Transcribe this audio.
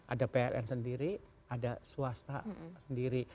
ada pln sendiri ada swasta sendiri